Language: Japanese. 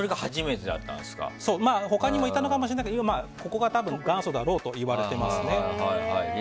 他にもいたのかもしれないけどこれが多分、元祖だろうといわれています。